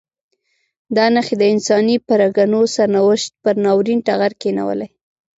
دا نښې د انساني پرګنو سرنوشت یې پر ناورین ټغر کښېنولی.